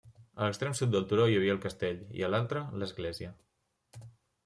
A l'extrem sud del turó hi havia el castell i a l'altre l'església.